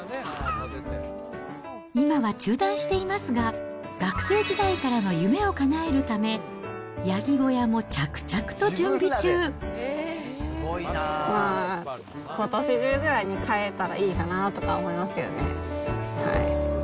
今は中断していますが、学生時代からの夢をかなえるため、まあ、ことし中ぐらいに飼えたらいいかなとか思いますけどね。